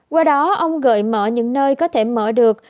qua đó ông gợi mở những nơi có thể mở được